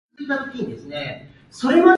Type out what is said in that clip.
なんと立派な男の子